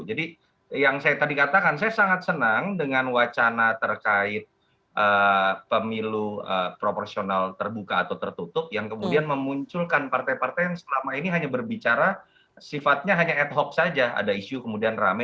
jadi yang saya tadi katakan saya sangat senang dengan wacana terkait pemilu proporsional terbuka atau tertutup yang kemudian memunculkan partai partai yang selama ini hanya berbicara sifatnya hanya ad hoc saja ada isu kemudian rame